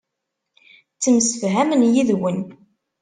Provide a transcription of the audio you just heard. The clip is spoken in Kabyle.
Ttemsefhamen yid-wen.